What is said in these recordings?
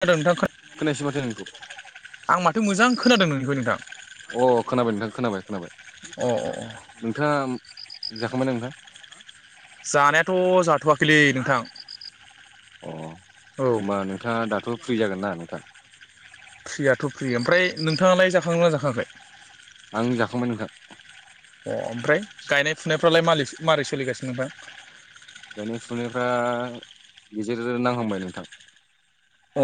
खोनादों नोंथां खो खोनायासै माथो नोंनिखौ आं माथो मोजां खोनादों नोंनिखौ नोंथां अ खोनाबाय नोंथां खोनाबाय खोनाबाय अ अ नोंथाङा जाखांबायना नोंथां जानायाथ जाथवाखैलै नोंथां अ औ होमबा नोंथाङा दाथ' फ्रि जागोनना नोंथां फ्रियाथ' फ्रि ओमफ्राय नोंथाङालाय जाखाङोना जाखाङाखै आं जाखांबाय नोंथां अ ओमफ्राय गायनाय फुनायफ्रालाय मा मारै सोलिगासिनो नोंथां गायनाय फुनायफ्रा गेजेर नांहांबाय नोंथां अ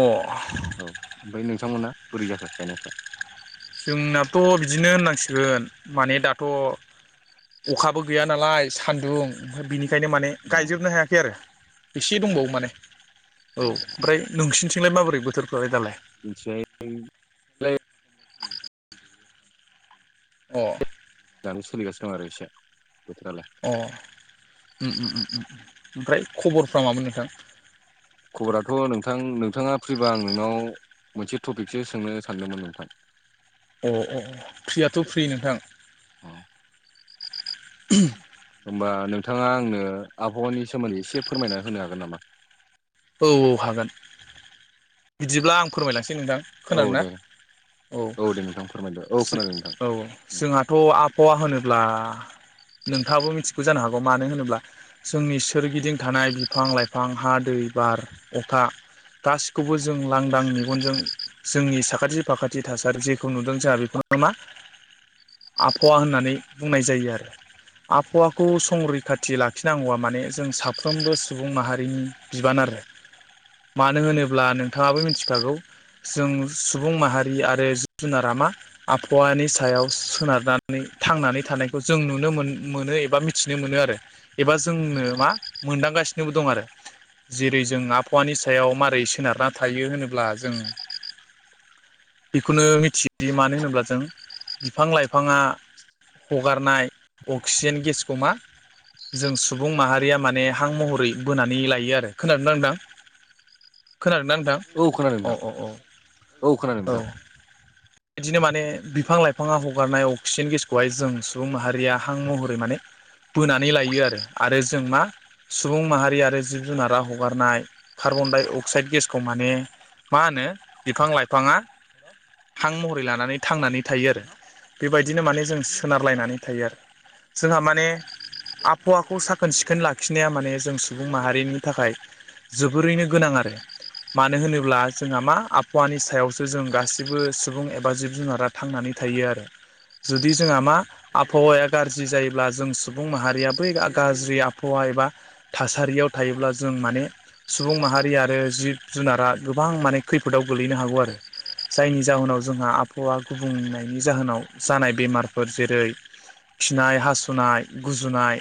औ ओमफ्राय नोंथांमोना बोरै जाखो गायनायफ्रा जोंनाबोथ' बिदिनो होननांसिगोन माने दाथ' अखाबो गैया नालाय सान्दुं ओमफ्राय बिनि ओंखायनो माने अ गायजोबनो हायाखै आरो एसे अ दंबावो माने औ अ ओमफ्राय नोंसिनिथिंलाय माबोरै बोथोरखौलाय दालाय? [unintelligible] अ। दानो सोलिगासिनो दं आरो एसे बोथोरालाय अ ओ ओ ओ ओमफ्राय खबरफ्रा मामोन नोंथां? खबराथ' नोंथां नोंथाङा फ्रिबा आं नोंनाव मोनसे टपिकसो सोंनो सानदोंमोन नोंथां? अ अ फ्रियाथ' फ्रि नोंथां। औ। होमबा नोंथाङा आंनो आबहावानि सोमोन्दै एसे फोरमायना होनो नामा? औ औ हागोन। बिदिब्ला आं फोरमायलांसै नोंथां औ खोनादों ना दे औ दे नोंथां फोरमायदो औ खोनादों नोंथां औ जोंहाथ' आबहावा होनोब्ला नोंथाङाबो मिथिगौ जानो हागौ मानो होनोब्ला जोंनि सोरगिदिं थानाय बिफां लाइफां हा दै बार अखा गाससि बेखौबो जों लांदां मेगनजों जोंनि साखाथि फाखाथि थासारि जेखौ नुदों जोंहा बिफाङा मा आबहावा होननानै बुंनाय जायो आरो आबहावाखौ संरैखाथि लाखिनांगौआ माने जों साफ्रोमबो सुबुं माहारिनि बिबान आरो मानो होनोब्ला नोंथाङाबो मिथिखागौ जों सुबुं माहारि आरो जिब जुनारा मा आबहावानि सायाव सोनारनानै थांनानै थानायखौ जों नुनो मोन मोनो एबा मिथिनो मोनो आरो एबा जोंनो मा मोनदांगासिनोबो दं आरो जेरै जों आबहावानि सायाव मारै सोनारना थायो होनोब्ला जों। बेखौनो मिथियो मानो होनोब्ला जों बिफां - लाइफाङा हगारनाय अक्सिजेन गेसखौ मा जों सुबुं माहारिया माने हां महरै बोनानै लायो आरो। खोनादोंना नोंथां? खोनादों ना नोंथां? औ खोनादों अ नोंथां अ औ औ खोनादों नोंथां। बिदिनो माने बिफां लाइफाङा हगारनाय अक्सिजेन गेसखौहाय जों सुबुं माहारिया हां महरै माने बोनानै लायो आरो, आरो जों मा सुबुं माहारि आरो जिब जुनारा हगारनाय कार्बन -डाइ - अक्साइद गेसखौ माने मा होनो बिफां लाइफाङा हां महरै लानानै थांनानै थायो आरो बेबायदिनो माने जों सोनारलायनानै थायो आरो। जोंहा माने आबहावाखौ साखोन - सिखोन लाखिनाया माने जों सुबुं माहारिनि थाखाय जोबोरैनो गोनां आरो मानो होनोब्ला जोंहा मा आबहावानि सायावसो जों गासिबो सुबुं एबा जिब जुनारा थांनानै थायो आरो जुदि जोंहा मा आबहावाया गाज्रि जायोब्ला जों सुबुं माहारियाबो‌ बै गाज्रि आबहावा एबा थासारि आव थायोब्ला जों माने सुबुं माहारि आरो जिब जुनारा गोबां माने खैफोदाव गोलैनो हागौ आरो जायनि जाहोनाव जोंहा आबहावा गुबुंनायनि जाहोनाव जानाय बेमारफोर जेरै खिनाय हासुनाय गुजुनाय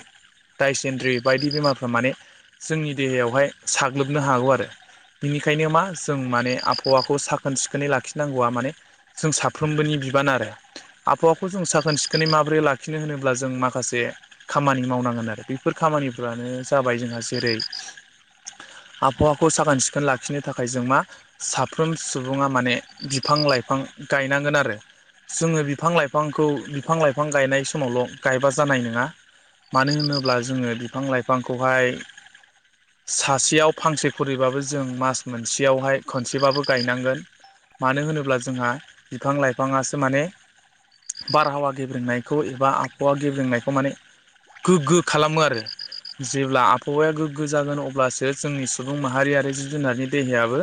दायसेनद्रि बायदि बेमारफ्रामाने जोंनि देहायावहाय साग्लोबनो आरो। बिनिखायनो मा जों माने आबहावाखौ साखोन सिखोनै लाखिनां हौवा माने जों साफ्रोमबोनि बिबान आरो आबहावाखौ जों साखोन सिखोनै माबोरै लाखिनो होनोब्ला जों माखासे खामानि मावनांगोन आरो बेफोर खामानिफ्रानो जाबाय जोंहा जेरै आबहावाखौ साखोन सिखोन लाखिनो थाखाय जों मा साफ्रोम सुबुङा माने बिफां लाइफां गायनांगोन आरो जोङो बिफां लाइफांखौ बिफां लाइफां गायनाय समावल' गायबा जानाय नङा। मानो होनोब्ला जोङो बिफां लाइफांखौहाय सासेयाव फांसे खरैबाबो जों मास मोनसेयावहाय खनसेबाबो गायनांगोन मानो होनोब्ला जोंहा बिफां लाइफाङासो माने बारहावा गेब्रोंनायखौ एबा आबहावा गेब्रोंनायखौ माने गोगो खालामो आरो जेब्ला आबहावाया गोग्गो जागोन अब्लासो जोंनि सुबुं माहारिारि जिब जुनारनि देहायाबो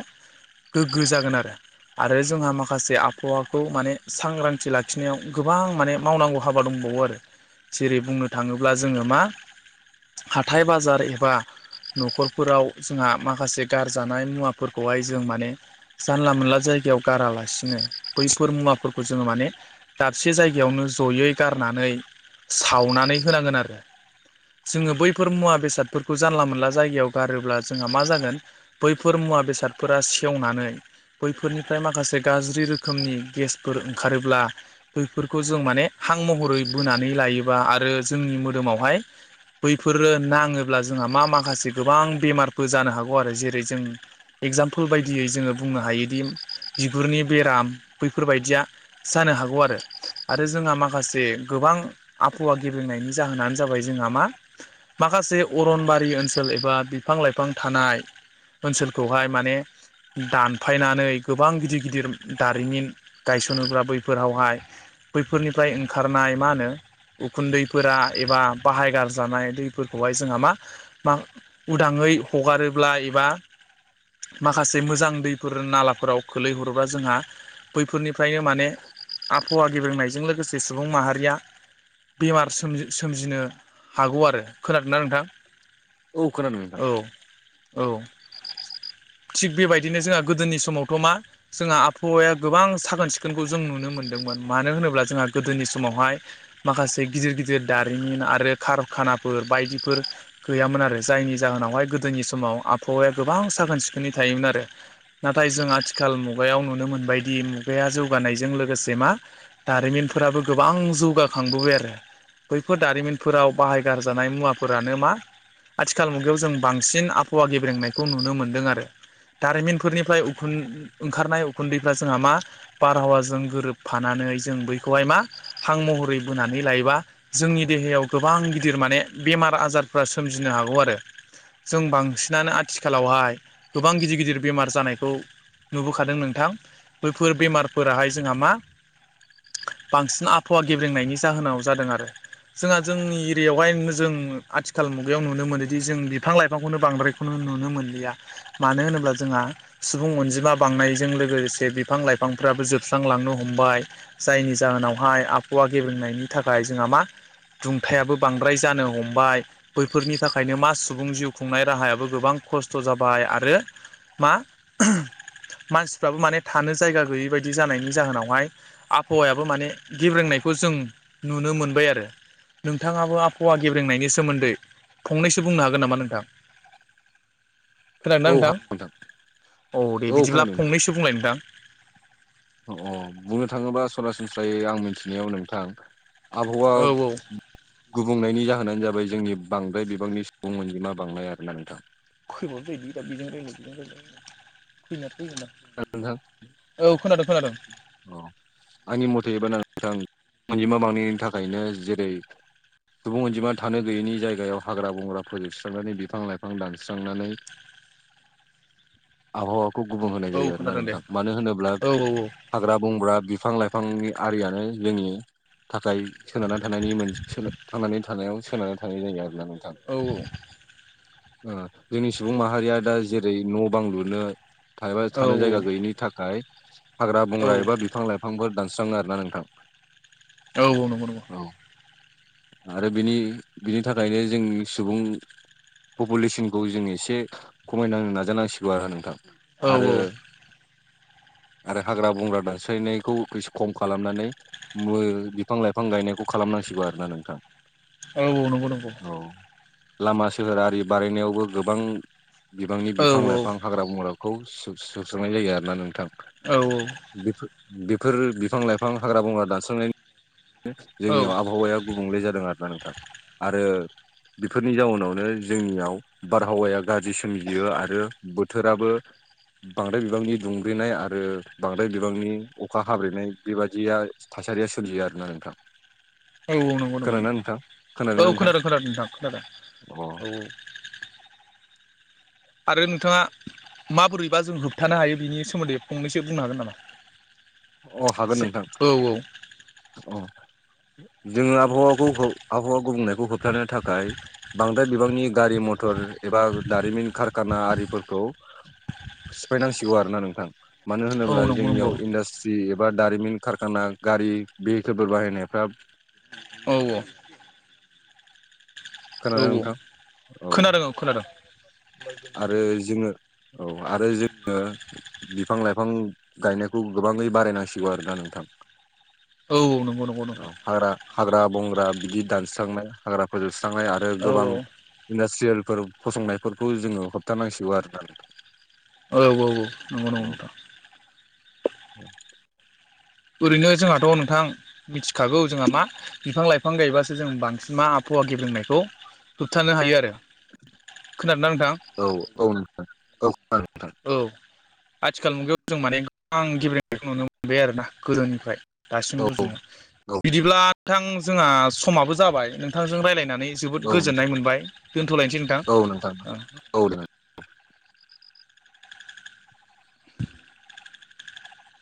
गोग्गो जागोन आरो आरो जोंहा माखासे आबहावाखौ माने सांग्रांथि लाखिनायाव गोबां माने मावनांगौ हाबा दंबावो आरो। जेरै बुंनो थाङोब्ला जोङो मा हाथाय बाजार एबा न'खरफोराव जोंहा माखासे गारजानाय मुवाफोरखौहाय जों माने जानला मोनला जायगायाव गारालासिनो बैफोर मुवाफोरखौ जोङो माने दाबसे जायगायावनो जयै गारनानै सावनानै होनांगोन आरो। जोङो बैफोर बेसादफोरखौ जानला मोनला जायगायाव गारोब्ला जोंहा मा बैफोर मुवा बेसादफोरा सेवनानै बैफोरनि नाफ्राय माखासे गाज्रि रोखोमनि गेसफोर ओंखारोब्ला बैफोरखौ जों माने हां महरै बोनानै लायोबा आरो जोंनि मोदोमावहाय बैफोरो नाङोब्ला जोंहा मा माखासे गोबां बेमारफोर जानो हागौ आरो जेरै जों एगजामपोल बायदियै जोङो बुंनो हायोदि बिगुरनि बेराम बैफोरबायदिया जानो हागौ आरो आरो जोंहा माखासे गोबां आबहावा गेबेंनायनि जाहोनानो जोंहा मा माखासे अरनबारि ओनसोल एबा बिफां लाइफां थानाय ओनसोलखौहाय माने दानफायनानै गोबां गिदिर गिदिर दारिमिन गायसनोब्ला बैफोरावहाय बैफोरनिफ्राय ओंखारनाय मा होनो उखुन्दैफोरा एबा बाहायगार जानाय दैफोरखौहाय जोंहा मा मा उदाङै हगारोब्ला एबा माखासे मोजां दैफोर नालाफोराव खोल्लैहरोबा जोंहा बैफोरनिफ्रायनो माने आबहावा गेबंनायजों लोगोसे सुबुं माहारिया बेमार सोमजि सोमजिनो हागौ आरो खोनादों ना नोंथां औ खोनादों नोंथां औ औ थिग बेबायदिनो जोंहा गोदोनि समावथ' मा जोंहा आबहावाया गोबां साखोन सिखोनखौ जों नुनो मोन्दोंमोन मानो होनोब्ला जोंहा गोदोनि समावहाय माखासे गिदिर गिदिर दारिमिन आरो कारखानाफोर बायदिफोर गैयामोन आरो जायनि जाहोनावहाय गोदोनि समाव आबहावाया गोबां साखोन सिखोनै थायोमोन आरो नाथाय जों आथिखाल मुगायाव नुनो मोनबायदि मुगाया जौगानायजों लोगोसे मा दारिमिनफोराबो गोबां जौगा खांबोबाय आरो। बैफोर दारिमिनफोराव बाहाय गारजानाय मुवाफोरानो मा आथिखाल मुगायाव जों बांसिन आबहावा गेब्रेंनायखौ नुनो मोन्दों आरो। दारिमिनफोरनिफ्राय उखुन ओंखारनाय उखुन्दैफ्रा जोंहा मा बारहावाजों गोरोबफानानै जों बैखौहाय मा हां महरै बोनानै लायोबा जोंनि देहायाव गोबां गिदिर माने बेमार आजारफ्रा सोमजिनो हागौ आरो। जों बांसिनानो आथिखालावहाय गोबां गिदिर गिदिर बेमार जानायखौ नुबोखादों नोंथां बैफोर बेमारफोराहाय जोंहा मा बांसिन आबहावा गेब्रेंनायनि जाहोनाव जादों आरो। जोंहा जोंनि एरियावहाय जों आथिखाल मुगायाव नुनो मोनोदि जों बिफां लाइफांखौनो बांद्राय खौनो नुनो मोनलिया मानो होनोब्ला जोंहा सुबुं अनजि मा बांनायजों लोगोसे बिफां लाइफांफ्राबो जोबस्रांलांनो हमबाय। जायनि जाहोनावहाय आबहावा गेब्रेंनायनि थाखाय जोंहा मा दुंथायाबो बांद्राय जानो हमबाय। बैफोरनि थाखायनो मा सुबुं जिउ खुंनाय राहायाबो गोबां खस्थ' जाबाय आरो मा मानसिफ्राबो माने थानो जायगा गैयै बायदि जानायनि जाहोनावहाय आबहावायाबो माने गेब्रेंनायखौ जों नुनो मोनबाय आरो। नोंथाङाबो आबहावा गेब्रेंनायनि सोमोन्दै फंनैसो बुंनो हागोन नामा नोंथां? औ खोनादोंना नोंथां? हागोन औ दे बिदिब्ला खोनादों नोंथां फंनैसो बुंलाय नोंथां। अ' बुंनो थांङोबा सरासनस्रायै आं मिथिनायाव नोंथां आबहावा औ औ गुबुंनायनि जाहोनानो जाबाय जोंनि बांद्राय बिबांनि सुबुं अनजिमा बांनाय आरो ना नोंथां। [unintelligible] [unintelligible] नोंथां औ खोनादो खोनादो। अ आंनि म'थेबाना नोंथां अनजिमा बांनायनि थाखायनो जेरै सुबुं अनजिमा थानो गैयैनि जायगायाव हाग्रा बंग्राफोर एवस्रांनानै बिफां लाइफां दानस्रांनानै आबहावाखौ गुबुं होनाय औ जायो आरोना खोनादों दे नोंथां। मानो होनोब्ला औ हाग्रा बंग्रा बिफां लाइफांनि आरियानो जोंनि थाखाय सोनारना थानायनि मोनस सोरनो थांनानै थानायाव सोनारनानै थानाय जायो आरोना नों थां औ ओ जोंनि सुबुं माहारिया दा जेरै न' बां लुनो थानो थानो औ औ जायगा गैयैनि थाखाय हाग्रा बंग्रा औ एबा बिफां लाइफ फांफोर दानस्राङो आरो ना नोंथां। औ औ नंगौ नंगौ। औ आरो बिनि बिनि थाखायनो जोंनि सुबुं पपुलेसनखौ जों एसे खमायनाहोनो नाजानांसिगौ आरो नोंथां। औ आरो आरो हाग्रा बंग्रा दानस्रायनायखौ एसे खम खालामनानै मो बिफां लाइफां गायनायखौ खालामनांसिगौ आरोना नोंथां। औ औ नंगौ नंगौ। औ लामा सोहोर आरि बारायनायावबो गोबां बिबांनि औ बिफां लाइफां हाग्रा बंग्राखौ सु-सुस्रांनाय जायो आरो ना नोंथां। औ औ बेफो बेफोर बिफां लाइफां हाग्रा बंग्रा दानस्रांनायनि ओ औ जोंनियाव आबहावायाव गुबुंले जादों आरोना नोंथां। आरो बेफोरनि जाउनावनो जोंनियाव बारहावाया गाज्रि सोमजियो आरो बोथोराबो बांद्राय बिबांनि दुंब्रेनाय आरो बांद्राय बिबांनि अखा हाब्रेनाय बेबादिया थासारिया सोरजियो आरोना नोंथां। औ औ नंगौ नंगौ खोनादोंना नोंथां खोनादोंना औ नोंथां खोनादों खोनादों नोंथां खोनादों अ औ औ। आरो नोंथाङा माबोरैबा जों होबथानो हायो बिनि सोमोन्दै फंनैसो बुंनो हागोन नामा? अ हागोन नोंथां औ औ अ जोङो आबहावाखौ आबहावा गुबुंनायखौ होबथानो थाखाय बांद्राय बिबांनि गारि मथर एबा दारिमिन कारखाना आरिफोरखौ सिफायनांसिगौ आरोना नोंथां मानो औ होनोब्ला नंगौ जोंनियाव नंगौ इन्डास्ट एबा दारिमिन खारखाना गारि भेहिकेलफोर बाहायनायफ्रा औ औ औ खोनादोंना नोंथां औ खोनादों खोनादों आरो जोङो औ आरो जोङो बिफां लाइफां गायनायखौ गोबाङै बारायनांसिगौ आरो ना नोंथां‌। औ नंगौ नंगौ। औ नोंथां हाग्रा हाग्रा बंग्रा बिदि दानस्रांनाय हाग्रा फोजोबस्रांनाय आरो औ गोबां इन्डासट्रियेलफोर फसंनायफोरखौ जोङो होबथानांसिगौ आरो ना। औ औ औ नंगौ नंगौ नोंथां। औ ओरैनो जोंहाथ नोंथां मिथिखागौ जोंहा मा बिफां लाइफां गायबासो बांसिन मा आफाववा गेबेंनायखौ होबथानो हायो आरो। खोनादोंना नोंथां औ औ नोंथां। औ खोनादों औ आथिखाल मुगायाव जों माने गोबां गिब्रेंखौ नुनो मोनबाय आरोना गोदोनिफ्राय दासिमबो जोङो नोंथां औ बिदिब्ला नोंथां जोंहा समाबो जाबाय नोंथांजों रायज्लायनानै जोबोद औ नोंथां गोजोननाय मोनबाय दोन्थ'लायनोसै नोंथां। औ दे। [unintelligible]